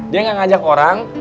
dia tidak mengajak orang